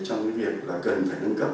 trong cái việc là cần phải nâng cấp